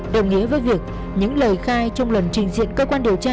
đồng nghĩa với việc những lời khai trong lần trình diện cơ quan điều tra